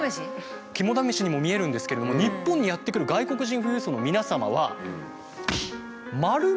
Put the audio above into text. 肝試しにも見えるんですけれども日本にやって来る外国人富裕層の皆様は。